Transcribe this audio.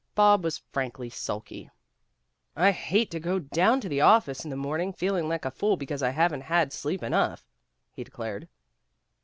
Bob was frankly sulky. "I hate to go down to the office in the morning feeling like a fool because I haven't had sleep enough," he declared.